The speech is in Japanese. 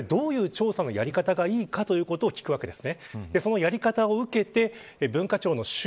どういう調査のやり方がいいかということを聞くわけです。